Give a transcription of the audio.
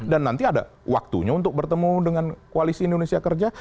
dan nanti ada waktunya untuk bertemu dengan koalisi indonesia kerja